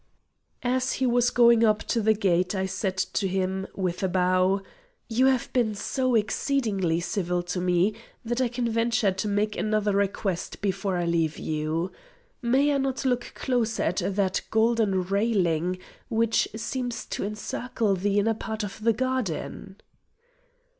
As he was going up to the gate I said to him, with a bow: "You have been so exceedingly civil to me that I can venture to make another request before I leave you. May I not look closer at that golden railing, which seems to encircle the inner part of the garden?"